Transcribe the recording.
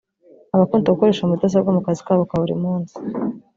abakunda gukoresha mudasobwa mu kazi kabo ka buri munsi